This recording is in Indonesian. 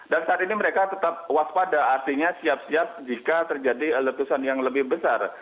dan saat ini mereka tetap waspada artinya siap siap jika terjadi letusan yang lebih besar